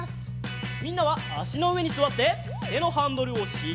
みんなはあしのうえにすわっててのハンドルをしっかりにぎります。